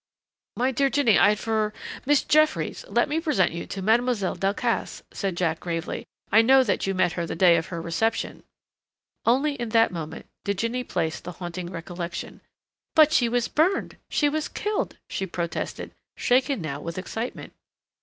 "My dear Jinny, I had for Miss Jeffries, let me present you to Mademoiselle Delcassé," said Jack gravely. "I know that you met her the day of her reception " Only in that moment did Jinny place the haunting recollection. "But she was burned she was killed," she protested, shaken now with excitement.